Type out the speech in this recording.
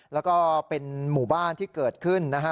แล้วก็เป็นหมู่บ้านที่เกิดขึ้นนะฮะ